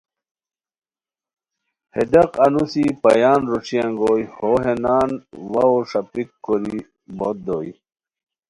ہے ڈاق انوسی پایان روݯھی انگوئے، ہو ہے نان واؤ ݰاپیک کوری ہوت دوئے